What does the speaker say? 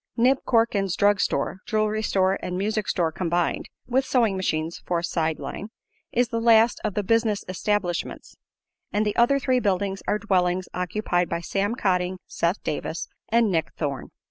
Nib Corkins' drug store, jewelry store and music store combined (with sewing machines for a "side line"), is the last of the "business establishments," and the other three buildings are dwellings occupied by Sam Cotting, Seth Davis and Nick Thorne.